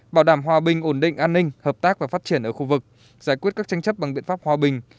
bảo đảm hòa bình ổn định an ninh hợp tác và phát triển ở khu vực giải quyết các tranh chấp bằng biện pháp hòa bình